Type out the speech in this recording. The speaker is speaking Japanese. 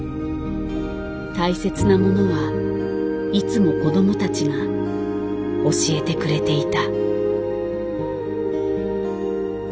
大切なものはいつも子どもたちが教えてくれていた。